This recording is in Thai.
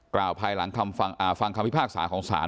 กล่าวภายหลังคำฟังอ่าฟังคำพิพากษาของศาล